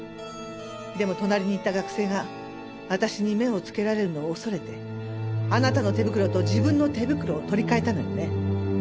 でも隣にいた学生が私に目をつけられるのを恐れてあなたの手袋と自分の手袋を取り換えたのよね？